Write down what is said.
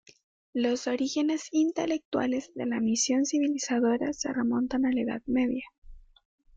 Los orígenes intelectuales de la misión civilizadora se remontan a la Edad Media.